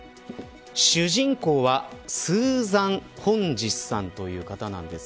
主人公はスーザン・ホジソンさんという方です。